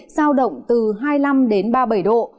giao động từ hai mươi năm đến ba mươi bảy độ